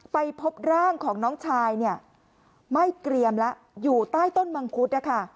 ไปพบร่างของน้องชายเนี่ยไหม้เกรียมแล้วอยู่ใต้ต้นมังคุดนะคะ